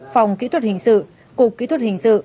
phòng kỹ thuật hình sự cục kỹ thuật hình sự